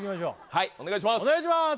はいお願いします